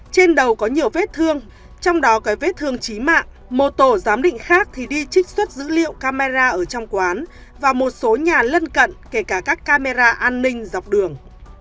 trên đầu có nhiều vết thương trong đó cái vết thương chí mạng một tổ giám định khác thì đi trích xuất dữ liệu camera ở trong quán và một số nhà lân cận kể cả các camera an ninh dọc đường